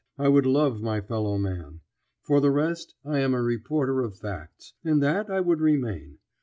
I would love my fellow man. For the rest I am a reporter of facts. And that I would remain.